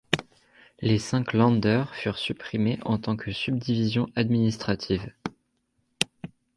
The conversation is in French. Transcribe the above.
Les cinq Länder furent supprimés en tant que subdivisions administratives.